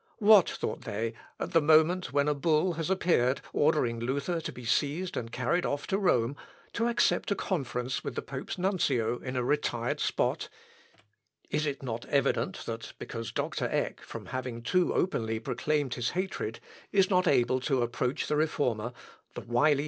"What, thought they, at the moment when a bull has appeared ordering Luther to be seized and carried off to Rome, to accept a conference with the pope's nuncio in a retired spot! Is it not evident that, because Dr. Eck from having too openly proclaimed his hatred is not able to approach the Reformer, the wily chamberlain has been employed to ensnare Luther in his nets?"